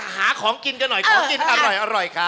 หาของกินกันหน่อยของกินอร่อยครับ